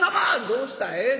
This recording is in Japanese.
「どうした？ええ？